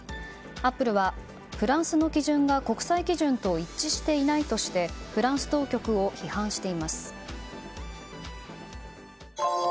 アップルはフランスの基準が国際基準と一致していないとしてフランス当局を批判しています。